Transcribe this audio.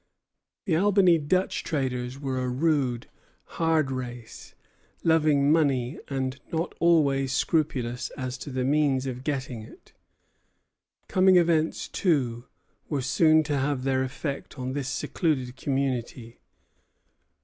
The Albany Dutch traders were a rude, hard race, loving money, and not always scrupulous as to the means of getting it. Coming events, too, were soon to have their effect on this secluded community.